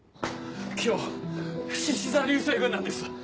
今日しし座流星群なんです。